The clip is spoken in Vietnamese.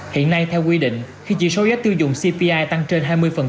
hiện nay theo quy định khi chỉ số giá tiêu dùng cpi tăng trên hai mươi